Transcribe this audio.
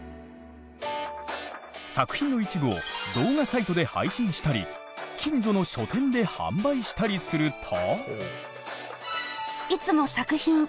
作品の一部を動画サイトで配信したり近所の書店で販売したりすると。